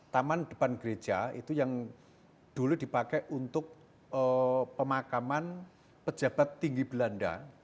taman depan gereja itu yang dulu dipakai untuk pemakaman pejabat tinggi belanda